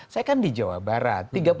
saya kan di jawa barat